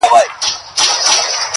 اور يې وي په سترگو کي لمبې کوې,